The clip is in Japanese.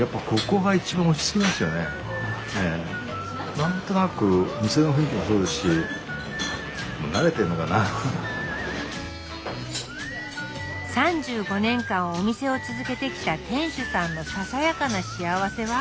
何となく３５年間お店を続けてきた店主さんの「ささやかな幸せ」は？